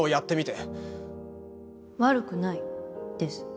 悪くないです。